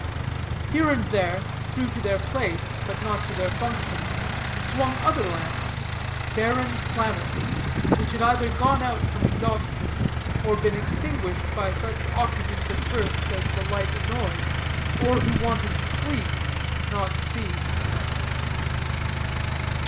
Here and there, true to their place, but not to their function, swung other lamps, barren planets, which had either gone out from exhaustion, or been extinguished by such occupants of berths as the light annoyed, or who wanted to sleep, not see.